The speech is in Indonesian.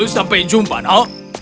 sampai jumpa no